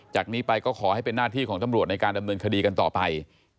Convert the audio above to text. จากนี้ไปก็ขอให้เป็นหน้าที่ของตำรวจในการดำเนินคดีกันต่อไป